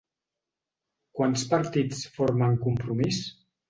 Quants partits formen Compromís?